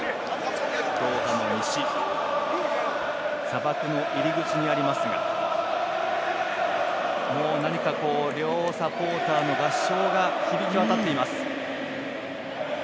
ドーハの西砂漠の入り口にありますが両サポーターの合唱が響き渡っています。